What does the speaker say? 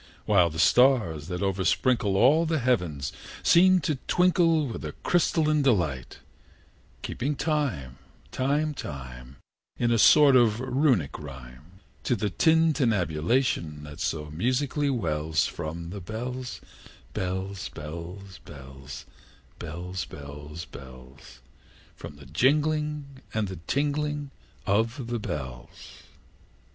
While the stars, that oversprinkle All the heavens, seem to twinkle With a crystalline delight; Keeping time, time, time, In a sort of Runic rhyme, To the tintinnabulation that so musically wells From the bells, bells, bells, bells, Bells, bells, bells From the jingling and the tinkling of the bells.